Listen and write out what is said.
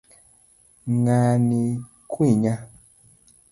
Ng'ani kwinya.